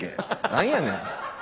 何やねん！